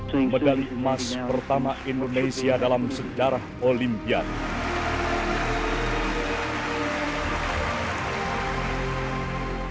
pemain emas pertama indonesia dalam sejarah olimpiade